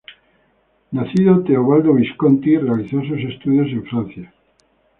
Nacido Teobaldo Visconti, realizó sus estudios en Francia.